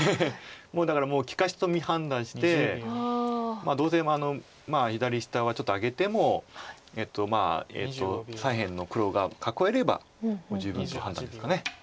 もうだから利かしと判断してどうせ左下はちょっとあげても左辺の黒が囲えればもう十分って判断ですか。